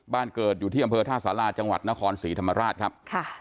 บ้านเกิดอยู่ที่อำเภอท่าสาราจังหวัดนครศรีธรรมราชครับ